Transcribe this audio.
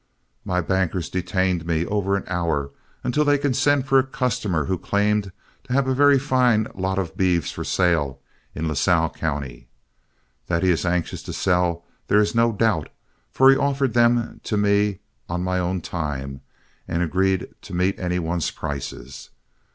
My bankers detained me over an hour until they could send for a customer who claimed to have a very fine lot of beeves for sale in Lasalle County. That he is anxious to sell there is no doubt, for he offered them to me on my own time, and agrees to meet any one's prices.